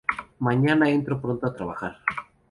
Mañana entro pronto a trabajar